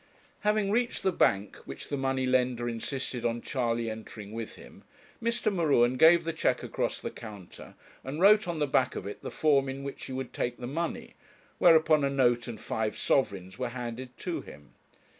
Having reached the bank, which the money lender insisted on Charley entering with him, Mr. M'Ruen gave the cheque across the counter, and wrote on the back of it the form in which he would take the money, whereupon a note and five sovereigns were handed to him.